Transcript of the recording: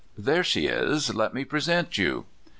There she is; let me present you."